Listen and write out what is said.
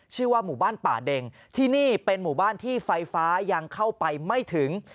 ชื่อว่าหมู่บ้านป่าเด็งที่นี่เป็นหมู่บ้านที่ไฟฟ้ายังเข้าไปไม่ถึง